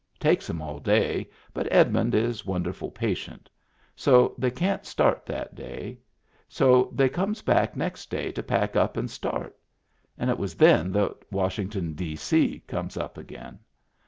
Takes 'em all day, but Ed mund is wonderful patient. So they can't start that day. So they comes back next day to pack up and start. And it was then that Washington, D.C., comes up again.